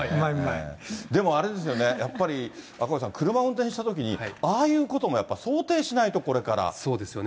でもあれですよね、やっぱり赤星さん、車運転したときに、ああいうこともやっぱ想定しないと、そうですよね。